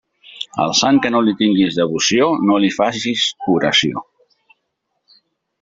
Al sant que no li tingues devoció no li faces oració.